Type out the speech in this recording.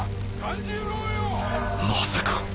まさか。